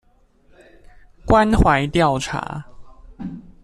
關懷調查